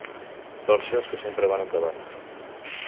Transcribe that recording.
Torxes que sempre van endavant.